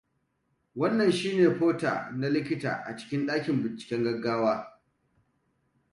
wannan shi ne porter ne likita a cikin dakin binciken gaggawa